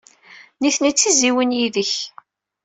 Nitni d tizzyiwin yid-k.